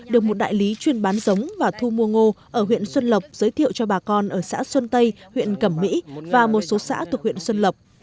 được một đại lý chuyên bán giống và thu mua ngô ở huyện xuân lộc giới thiệu cho bà con ở xã xuân tây huyện cẩm mỹ và một số xã thuộc huyện xuân lộc